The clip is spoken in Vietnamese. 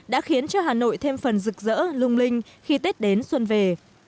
đã khiến cho hà nội thêm phần rực rỡ lung linh khi tết đến xuân về